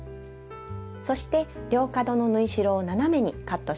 そして両角の縫い代を斜めにカットします。